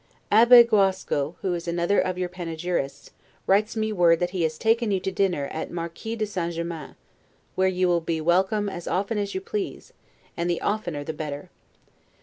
Abbe Guasco, who is another of your panegyrists, writes me word that he has taken you to dinner at Marquis de St. Germain's; where you will be welcome as often as you please, and the oftener the better.